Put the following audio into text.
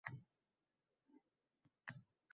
Nima uchun ko‘cha harakati qoidasi bor.